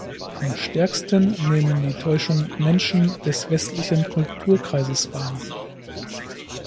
Am stärksten nehmen die Täuschung Menschen des westlichen Kulturkreises wahr.